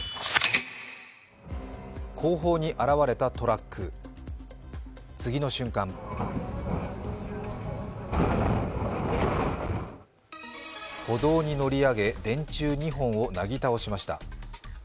後方に現れたトラック次の瞬間、歩道に乗り上げ、電柱２本をなぎ倒しました。